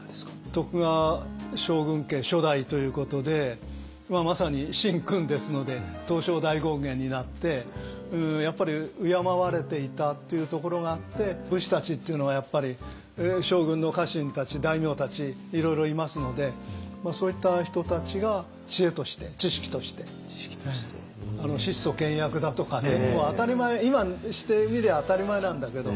徳川将軍家初代ということでまさに「神君」ですので東照大権現になってやっぱり敬われていたというところがあって武士たちっていうのは将軍の家臣たち大名たちいろいろいますのでそういった人たちが知恵として知識として質素倹約だとかね当たり前今にしてみりゃ当たり前なんだけど。